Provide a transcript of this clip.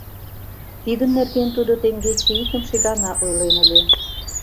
Тидын нерген тудо теҥгече икымше гана ойлен ыле.